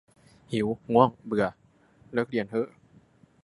หิว ง่วง เบื่อ เลิกเรียนเห้อ